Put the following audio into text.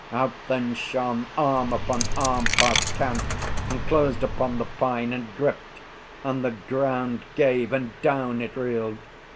Out then shone Arm upon arm, past count, and closed upon The pine, and gripped; and the ground gave, and down It reeled.